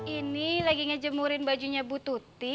ini lagi ngejemurin bajunya bu tuti